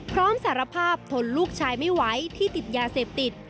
สารภาพทนลูกชายไม่ไหวที่ติดยาเสพติด